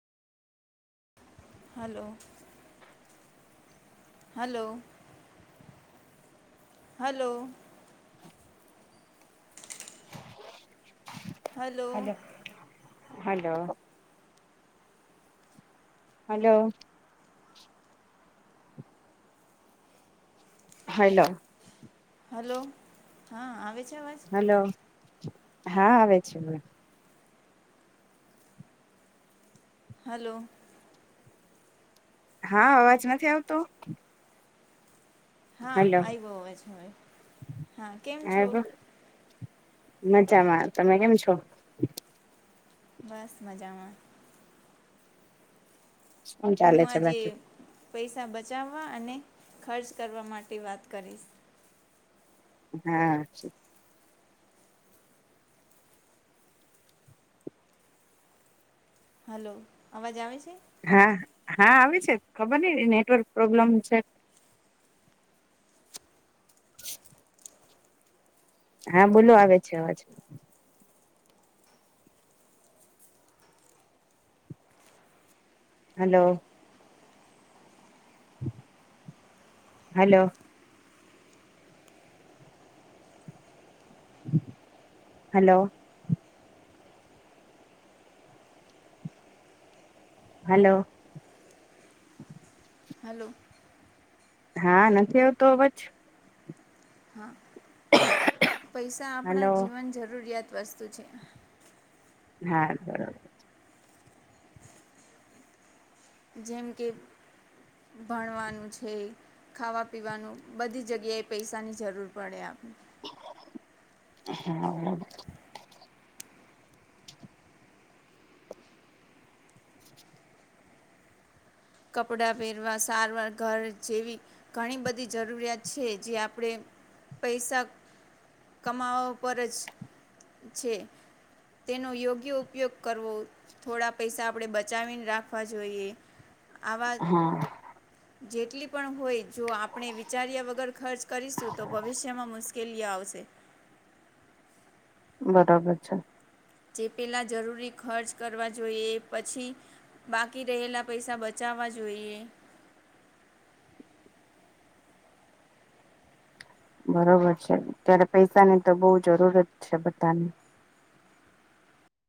હાલો. Hello. Hello. Hello. Hello. Hello. Hello. Hello. હા આવે છે અવાજ? હલો. હા આવે છે. હલો. હા. અવાજ નથી આવતો? હા હલો આયવો અવાજ હવે. હા કેમ છો? આવ્યો મજામાં. તમે કેમ છો? બસ મજામાં. શું ચાલે હું છે આજે બાકી પૈસા બચાવવા અને ખર્ચ કરવા માટે વાત કરીશ. હા. હલો. અવાજ આવે છે? હા હા આવે છે. ખબર નઈ નેટવર્ક પ્રોબ્લેમ છે. [inaudible] હા બોલો આવે છે અવાજ. Hello. Hello. Hello. Hello. Hello. હા નથી આવતો અવાજ? હા પૈસા આપણા હલો જીવન જરૂરિયાત વસ્તુ છે. હા બરોબર. જેમ કે ભણવાનું છે. ખાવા પીવાનું બધી જગ્યાએ પૈસાની જરૂર પડે આપને. હા. કપડા પહેરવા સારવાર ઘર જેવી ઘણી બધી જરૂરિયાત છે જે આપણે પૈસા કમાવા ઉપ જ છે. તેનો યોગ્ય ઉપયોગ કરવો થોડા પૈસા આપણે બચાવીને રાખવા જોઈએ. આવા હા જેટલી પણ હોય જો વિચાર્યા વગર ખર્ચ કરીશું તો ભવિષ્યમાં મુશ્કેલીઓ આવશે. બરાબર છે. જે પેલાં જરૂરી ખર્ચ કરવા જોઈએ એ પછી બાકી રહેલા પૈસા બચાવવા જોઈએ. બરોબર છે ત્યારે પૈસાની બહુ જરૂર છે બધાને.